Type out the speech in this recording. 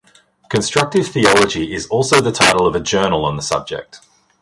"Constructive Theology" is also the title of a journal on the subject.